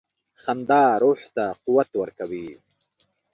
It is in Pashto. • خندا روح ته قوت ورکوي.